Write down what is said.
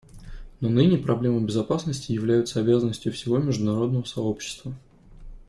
Но ныне проблемы безопасности являются обязанностью всего международного сообщества.